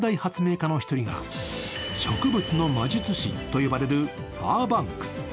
家の１人が植物の魔術師と呼ばれるバーバンク。